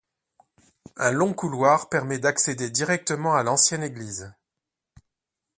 Un long couloir permet d'accéder directement à l'ancienne église.